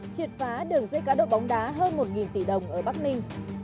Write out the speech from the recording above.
triệt phá đường dây cá độ bóng đá hơn một tỷ đồng ở bắc ninh